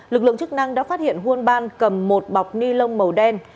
lực lượng chức năng đã phát hiện huân ban cầm một bọc ni lông màu đen